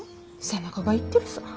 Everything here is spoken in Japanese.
背中が言ってるさ。